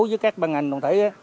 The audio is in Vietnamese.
với các ban ngành đồng thể